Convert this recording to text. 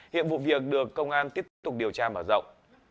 hiện vụ việc được công an tiếp tục điều tra mở rộng